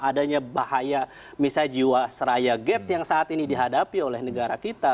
adanya bahaya misal jiwa seraya gap yang saat ini dihadapi oleh negara kita